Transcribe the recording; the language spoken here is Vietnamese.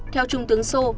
theo trung tướng sô